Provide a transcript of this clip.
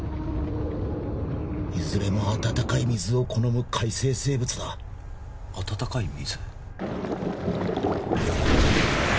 いずれも温かい水を好む海生生物だ温かい水？